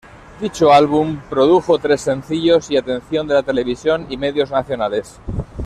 Dicho álbum produjo tres sencillos y atención de la televisión y medios nacionales.